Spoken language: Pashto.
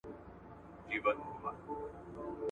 د رندانو په محفل کي د مستۍ په انجمن کي ,